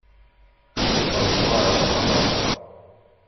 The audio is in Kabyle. Aql-iken tettwaεreḍem merra.